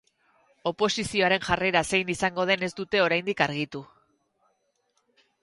Oposizioaren jarrera zein izango den ez dute oraindik argitu.